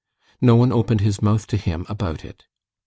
No one opened his mouth to him about it.